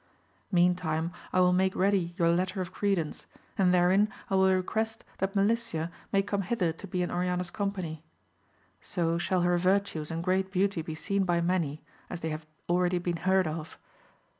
Meantime I will make ready your letter of credence, and therein I will request that Melicia may come hither to be in Oriana's company. So shall her virtues and great beauty be seen by many, as they have already been heard of.